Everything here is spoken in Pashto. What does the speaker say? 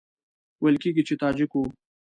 ویل کېږي چې تاجک وو.